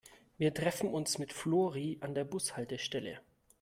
Wir treffen uns mit Flori an der Bushaltestelle.